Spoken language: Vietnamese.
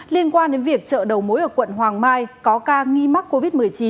liên quan đến việc chợ đầu mối ở quận hoàng mai có ca nghi mắc covid một mươi chín